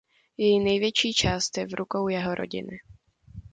Její největší část je v rukou jeho rodiny.